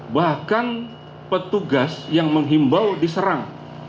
bahkan petugas yang menghimbau diserang